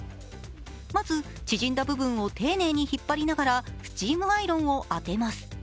まず、縮んだ部分を丁寧に引っ張りながらスチームアイロンを当てます。